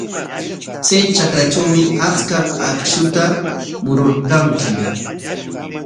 Chay trakratrawmi achka akshuta mururqanki.